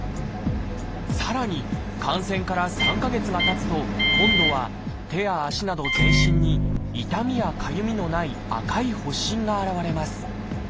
さらに感染から３か月がたつと今度は手や足など全身に痛みやかゆみのない赤い発疹が現れます。